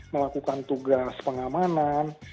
melakukan tugas pengamanan